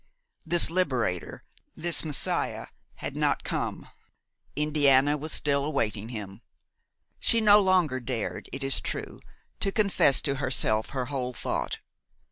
This liberator, this Messiah had not come; Indiana was still awaiting him. She no longer dared, it is true, to confess to herself her whole thought.